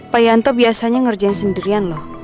pak yanto biasanya ngerjain sendirian loh